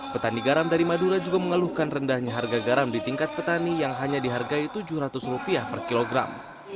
petani garam dari madura juga mengeluhkan rendahnya harga garam di tingkat petani yang hanya dihargai rp tujuh ratus per kilogram